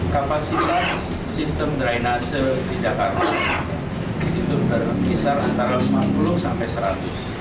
kapasitas sistem drainase di jakarta itu berkisar antara lima puluh sampai seratus